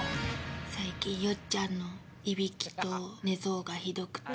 最近、よっちゃんのいびきと寝相がひどくて。